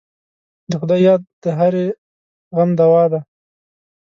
د خدای یاد د هرې غم دوا ده.